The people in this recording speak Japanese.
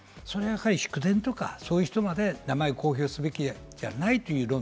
祝電とか、そういう人まで名前を公表すべきじゃないということ。